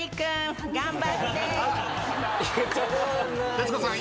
徹子さん